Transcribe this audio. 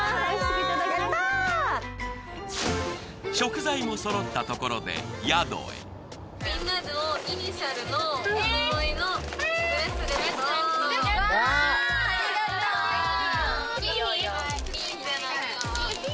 食材もそろったところでＭＩＩＨＩ！